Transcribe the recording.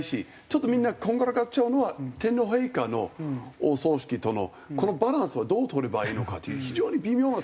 ちょっとみんなこんがらがっちゃうのは天皇陛下のお葬式とのこのバランスはどう取ればいいのかという非常に微妙なとこ。